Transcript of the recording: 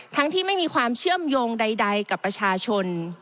ที่ไม่มีความเชื่อมโยงใดกับประชาชน